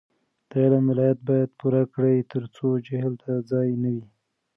د علم ولایت باید پوره کړي ترڅو جهل ته ځای نه وي.